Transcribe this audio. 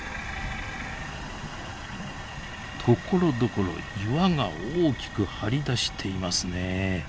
ところどころ岩が大きく張り出していますねえ。